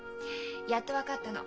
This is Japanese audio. やっと分かったの。